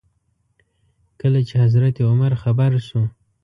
کله چې حضرت عمر خبر شو.